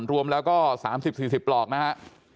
รวมแล้วก็๓๐๔๐ปลอกนะฮะ